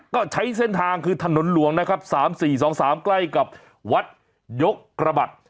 ก็ใช้เส้นทางคือถนนหลวงนะครับสามสี่สองสามใกล้กับวัดยกกระบัด